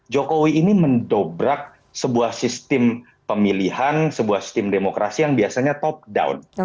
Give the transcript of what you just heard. jokowi ini mendobrak sebuah sistem pemilihan sebuah sistem demokrasi yang biasanya top down